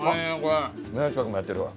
宮近君もやってるわ。